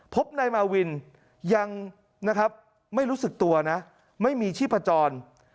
พบนายมาวินยังนะครับไม่รู้สึกตัวนะไม่มีชีพจร